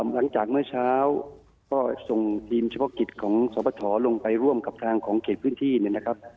หลังจากเมื่อเช้าก็ส่งทีมเฉพาะกิจของสปฐลงไปร่วมกับทางของเขตพื้นที่เนี่ยนะครับ